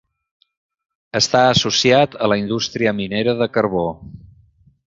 Està associat a la indústria minera de carbó.